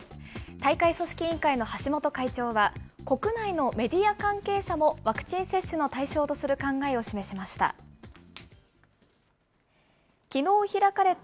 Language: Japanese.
大会組織委員会の橋本会長は、国内のメディア関係者もワクチン接種の対象とする考えを示しました。